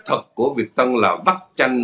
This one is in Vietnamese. thật của việt tân là bắt tranh